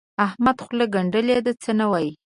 احمد خوله ګنډلې ده؛ څه نه وايي.